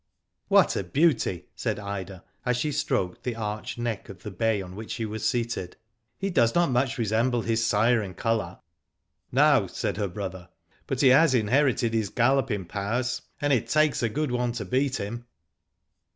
"What a beauty," said Ida, as she stroked the arched neck of the bay on which she was seated. "He does not much resemble his sire in colour." "No," said her brother; "but he has inherited his galloping powers, and it takes a good one to beat him."